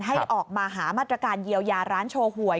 ให้ออกมาหามาตรการเยียวยาร้านโชว์หวย